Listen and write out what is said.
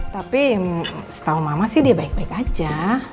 tapi setau mama sih dia baik baik aja